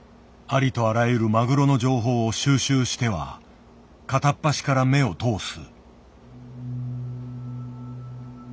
ありとあらゆるマグロの情報を収集しては片っ端から目を通す。